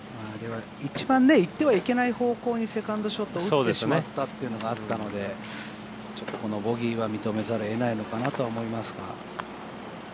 一番行ってはいけない方向にセカンドショットを打ってしまったっていうのがあったのでこのボギーは認めざるを得ないのかなと思いますが。